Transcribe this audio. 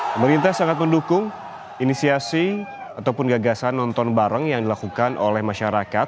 nobar diperbolehkan dengan tidak dikomersialkan